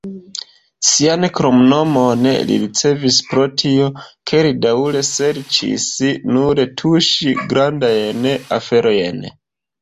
Sian kromnomon li ricevis pro tio, ke li daŭre serĉis nur tuŝi "grandajn aferojn".